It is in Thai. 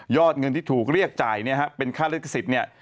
เงินที่ถูกเรียกจ่ายเนี่ยฮะเป็นค่าลิขสิทธิ์เนี่ย